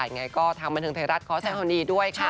อย่างไรก็ทางบันทึงไทยรัฐขอแสดงขอบคุณดีด้วยค่ะ